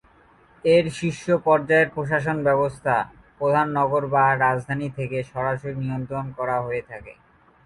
এর শীর্ষ পর্যায়ের প্রশাসন ব্যবস্থা প্রধান নগর বা রাজধানী থেকে সরাসরি নিয়ন্ত্রণ করা হয়ে থাকে।